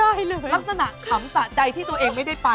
ลักษณะขำสะใดที่ตัวเองไม่ได้ไป